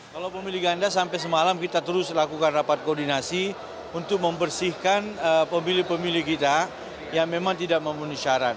kalau pemilih ganda sampai semalam kita terus lakukan rapat koordinasi untuk membersihkan pemilih pemilih kita yang memang tidak memenuhi syarat